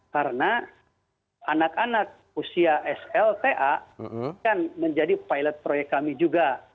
karena anak anak usia sl ta kan menjadi pilot proyek kami juga